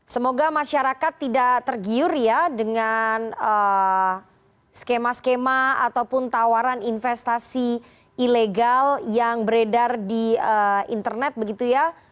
semoga masyarakat tidak tergiur ya dengan skema skema ataupun tawaran investasi ilegal yang beredar di internet begitu ya